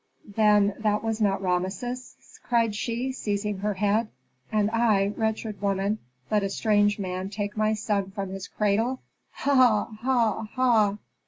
"Then that was not Rameses?" cried she, seizing her head. "And I, wretched woman, let a strange man take my son from his cradle. Ha! ha! ha!"